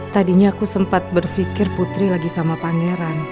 tadinya aku sempat berpikir putri lagi sama pangeran